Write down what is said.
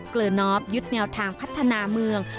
เกลอร์นอฟยุทธ์แนวทางพัฒนาเมือง